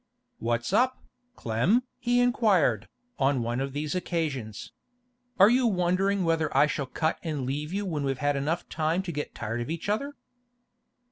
'What's up, Clem?' he inquired, on one of these occasions. 'Are you wondering whether I shall cut and leave you when we've had time to get tired of each other?